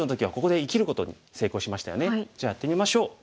じゃあやってみましょう。